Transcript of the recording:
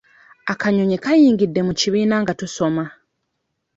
Akanyonyi kayingidde mu kibiina nga tusoma.